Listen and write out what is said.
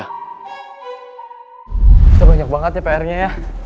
kita banyak banget ya prnya ya